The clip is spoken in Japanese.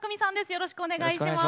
よろしくお願いします。